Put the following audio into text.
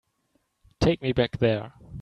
Take me back there.